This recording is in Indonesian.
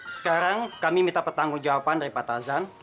sekarang kami minta pertanggung jawaban dari pak tazan